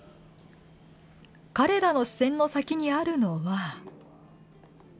彼らの視線の先にあるのは。